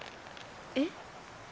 えっ？